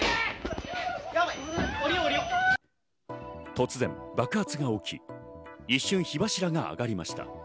突然、爆発が起き、一瞬、火柱が上がりました。